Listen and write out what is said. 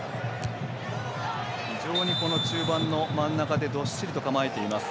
非常に中盤の真ん中でどっしりと構えています